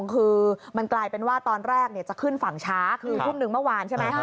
คือมันกลายเป็นว่าตอนแรกจะขึ้นฝั่งช้าคือทุ่มหนึ่งเมื่อวานใช่ไหม